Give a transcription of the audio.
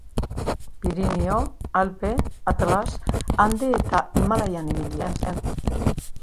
Pirinio, Alpe, Atlas, Ande eta Himalaian ibilia zen.